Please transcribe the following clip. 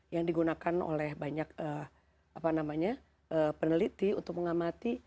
yang digunakan oleh banyak peneliti untuk mengamati